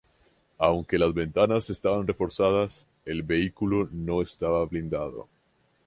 Aunque las ventanas estaban reforzadas, el vehículo no estaba blindado.